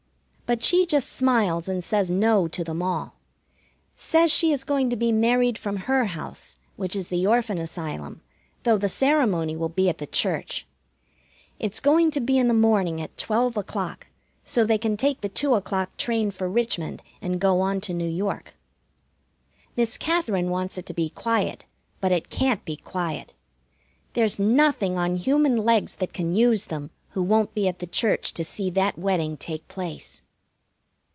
But she just smiles and says no to them all. Says she is going to be married from her house, which is the Orphan Asylum, though the ceremony will be at the church. It's going to be in the morning at twelve o'clock, so they can take the two o'clock train for Richmond and go on to New York. Miss Katherine wants it to be quiet, but it can't be quiet. There's nothing on human legs that can use them who won't be at the church to see that wedding take place.